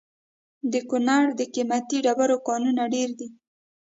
د کونړ د قیمتي ډبرو کانونه ډیر دي.